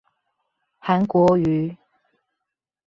韓國瑜